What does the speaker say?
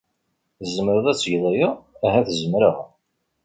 Tzemreḍ ad tgeḍ aya? Ahat zemreɣ.